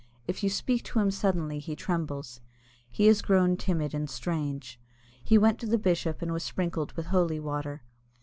If you speak to him suddenly he trembles. He has grown timid and strange. He went to the bishop and was sprinkled with holy water.